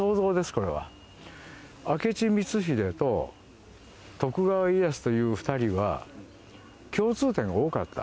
明智光秀と徳川家康という２人は共通点が多かった。